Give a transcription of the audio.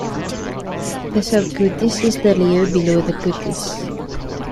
The subcutis is the layer below the cutis.